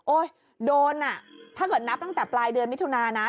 โดนอ่ะถ้าเกิดนับตั้งแต่ปลายเดือนมิถุนานะ